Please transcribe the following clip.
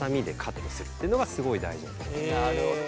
なるほど。